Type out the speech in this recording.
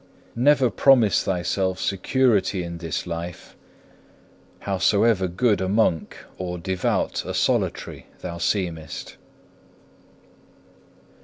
Never promise thyself security in this life, howsoever good a monk or devout a solitary thou seemest.